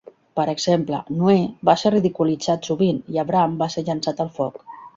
Per exemple, Noè va ser ridiculitzat sovint i Abraham va ser llençat al foc.